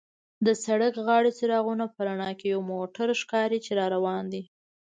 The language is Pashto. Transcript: د سړک غاړې څراغونو په رڼا کې یو موټر ښکاري چې را روان دی.